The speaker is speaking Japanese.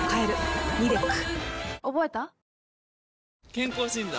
健康診断？